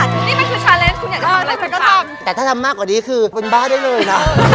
แต่ถ้าทำมากกว่านี้คือเป็นบ้าด้วยเลยนะ